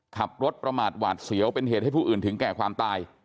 ขับรถประมาทหวาดเสียวเป็นเหตุให้ผู้อื่นถึงแก่ความตาย